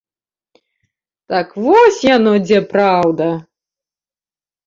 Так вось яно дзе праўда?